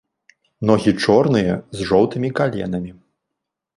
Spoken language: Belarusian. Ногі чорныя, з жоўтымі каленамі.